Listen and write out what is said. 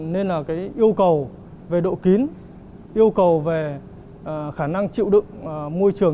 nên là cái yêu cầu về độ kín yêu cầu về khả năng chịu đựng môi trường